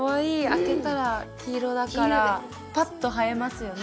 開けたら黄色だからパッと映えますよね。